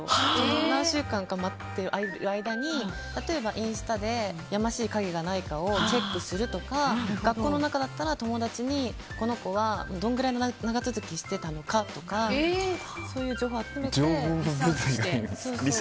何週間か待っている間に例えばインスタでやましい影がないかをチェックするとか学校の中だったら友達にこの子はどのくらい長続きしてたのかとかそういう情報を集めて。